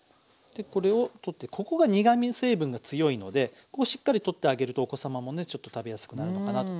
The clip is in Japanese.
でこれを取ってここが苦み成分が強いのでここしっかり取ってあげるとお子様もねちょっと食べやすくなるのかなと。